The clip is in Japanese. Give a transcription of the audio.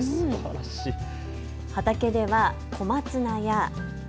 畑では小松菜や。